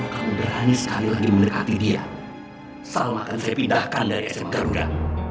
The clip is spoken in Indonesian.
kamu berani sekali lagi mendekati dia selalu akan saya pindahkan dari sm garuda